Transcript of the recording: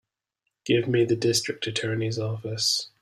Give me the District Attorney's office.